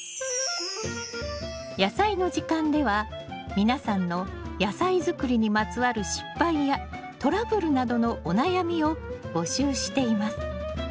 「やさいの時間」では皆さんの野菜づくりにまつわる失敗やトラブルなどのお悩みを募集しています。